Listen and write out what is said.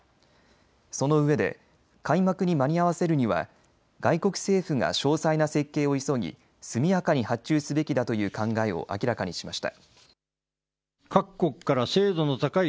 そのうえで開幕に間に合わせるには外国政府が詳細な設計を急ぎ速やかに発注すべきだという考えを明らかにしました。